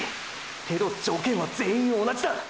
けど条件は全員同じだ！！